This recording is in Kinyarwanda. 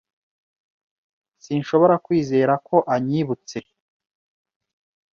Sinshobora kwizera ko anyibutse.